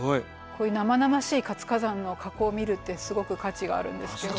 こういう生々しい活火山の火口を見るってすごく価値があるんですけど。